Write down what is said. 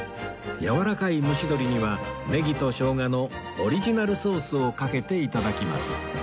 やわらかい蒸し鶏にはネギとショウガのオリジナルソースをかけて頂きます